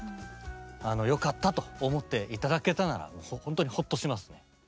「良かった」と思って頂けたならほんとにホッとしますね。